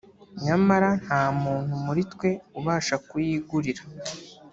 nyamara nta muntu muri twe ubasha kuyigurira”